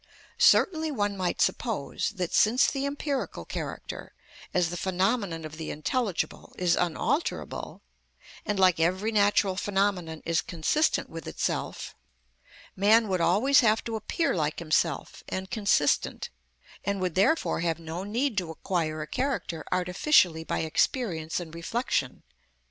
Certainly one might suppose that, since the empirical character, as the phenomenon of the intelligible, is unalterable, and, like every natural phenomenon, is consistent with itself, man would always have to appear like himself and consistent, and would therefore have no need to acquire a character artificially by experience and reflection.